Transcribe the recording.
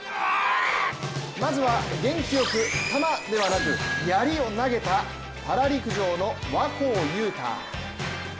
まずは元気よく、玉ではなくやりを投げたパラ陸上の若生裕太。